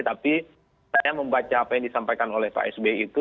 tapi saya membaca apa yang disampaikan oleh pak sby itu